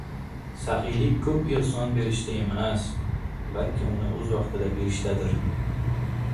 Saxiylik ko‘p ehson berishda emas, balki uni o‘z vaqtida berishdadir.